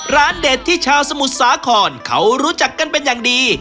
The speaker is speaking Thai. เด็ดที่ชาวสมุทรสาครเขารู้จักกันเป็นอย่างดี